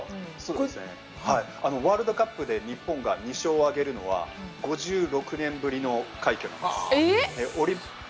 ワールドカップで日本が２勝を挙げるのは５６年ぶりの快挙なんです。